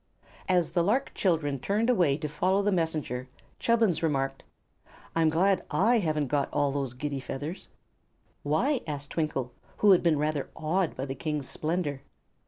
As the lark children turned away to follow the Messenger Chubbins remarked: "I'm glad I haven't got all those giddy feathers." "Why?" asked Twinkle, who had been rather awed by the King's splendor.